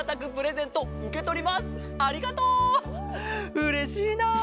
うれしいな。